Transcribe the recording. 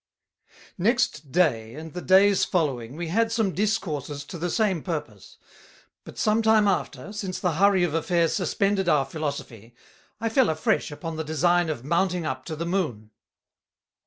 _ Next Day, and the Days following, we had some Discourses to the same purpose: But some time after, since the hurry of Affairs suspended our Philosophy, I fell afresh upon the design of mounting up to the Moon.